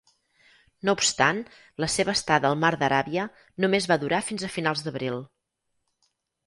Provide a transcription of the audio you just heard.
No obstant, la seva estada al Mar d'Aràbia només va durar fins a finals d'abril.